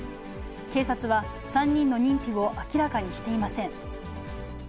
警察は、３人の認否を明らかにしていません。